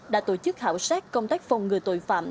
đã tổ chức khảo sát công tác phòng ngừa tội phạm